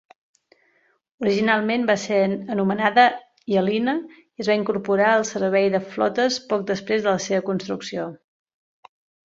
Originalment va ser anomenada "Hyalina" i es va incorporar al servei de flotes poc després de la seva construcció.